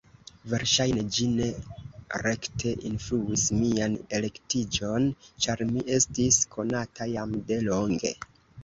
Verŝajne ĝi ne rekte influis mian elektiĝon, ĉar mi estis konata jam de longe.